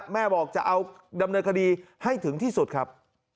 แม่บอกจะเอาดำเนินคดีให้ถึงที่สุดครับ